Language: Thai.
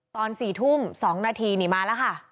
ตอน๔ทุ่ม๒นาทีนี่มาแล้วค่ะ